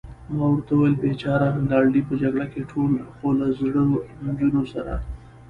ما ورته وویل: بېچاره رینالډي، په جګړه کې ټول، خو له زړو نجونو سره.